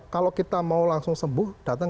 kalau kita mau langsung sembuh datang